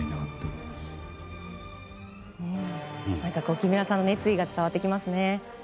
木村さんの熱意が伝わってきますね。